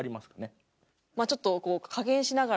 まあちょっとこう。